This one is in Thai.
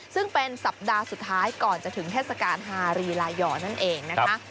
ซึ่งเป็นสัปดาห์สุดท้ายก่อนจะถึงเทศกาลฮารีลายอร์นั่นเองนะคะ